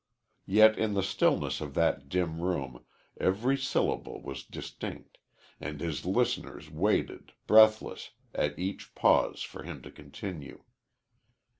Yet in the stillness of that dim room every syllable was distinct, and his listeners waited, breathless, at each pause for him to continue.